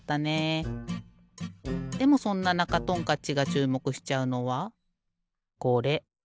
でもそんななかトンカッチがちゅうもくしちゃうのはこれ。